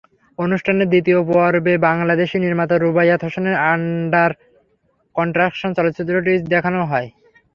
অনুষ্ঠানে দ্বিতীয় পর্বে বাংলাদেশি নির্মাতা রুবাইয়াত হোসেনের আন্ডার কনস্ট্রাকশন চলচ্চিত্রটি দেখানো হয়।